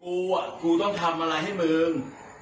กูกูต้องทำอะไรให้มึง